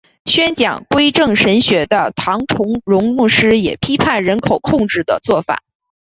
宣讲归正神学的唐崇荣牧师也批判人口控制的做法。